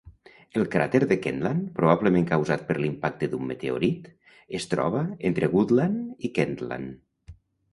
El cràter de Kentland, probablement causat per l'impacte d'un meteorit, es troba entre Goodland i Kentland.